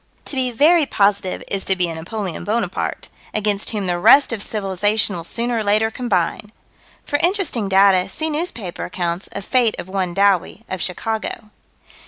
To be very positive is to be a Napoleon Bonaparte, against whom the rest of civilization will sooner or later combine. For interesting data, see newspaper accounts of fate of one Dowie, of Chicago.